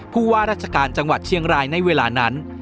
ผู้ว่าราชการจังหวัดเชียงรายในเวลานั้น